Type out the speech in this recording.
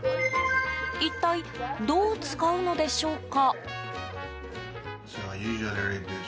一体、どう使うのでしょうか？